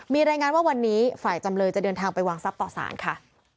มีรายงานว่าวันนี้ฝ่ายจำเลยจะเดินทางไปวางทรัพย์ต่อสารค่ะ